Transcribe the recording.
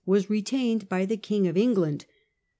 107), was retained by the King of England.